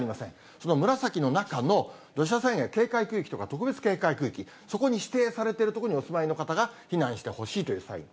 その紫の中の土砂災害警戒区域とか特別警戒区域、そこに指定されている所にお住まいの方が避難してほしいというサイン。